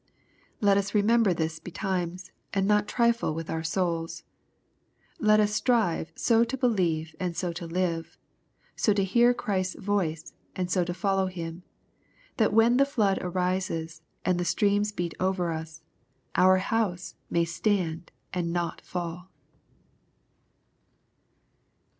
Let us remember thisf be times, and not trifle with our souls. Let us strive so to believe and so to live, so to hear Christ's voice and so to follow Him, that when the flood arises, and the streams beat over us, our house may stand and not fall.